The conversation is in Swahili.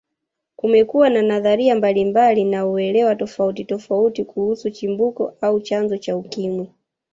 Kumekuwa na nadharia mbalimbali na uelewa tofauti tofauti kuhusu Chimbuko au chanzo cha Ukimwi